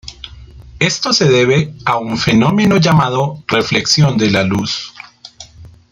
Esto se debe a un fenómeno llamado reflexión de la luz.